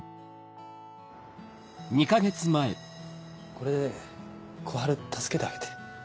これで小春助けてあげて。